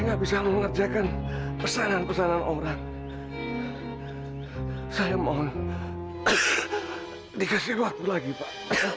enggak bisa mengerjakan pesanan pesanan orang saya mohon dikasih waktu lagi pak